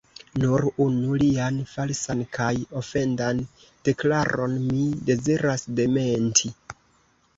Nur unu lian falsan kaj ofendan deklaron mi deziras dementi.